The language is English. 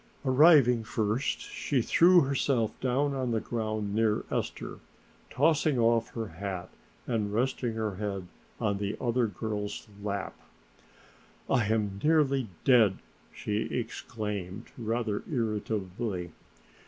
Arriving first she threw herself down on the ground near Esther, tossing off her hat and resting her head on the other girl's lap. "I am nearly dead!" she exclaimed rather irritably.